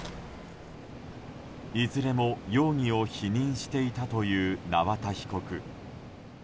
いずれも容疑を否認していたという縄田被告。